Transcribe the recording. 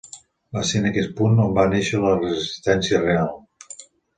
Va ser en aquest punt on va néixer la resistència real.